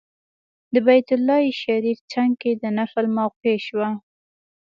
د بیت الله شریف څنګ کې د نفل موقع شوه.